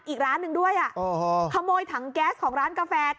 อีกร้านหนึ่งด้วยขโมยถังแก๊สของร้านกาแฟ